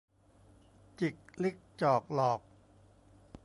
จิกลิกจอกหลอก